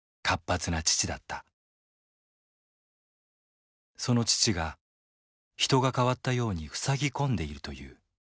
その父が人が変わったようにふさぎ込んでいるという。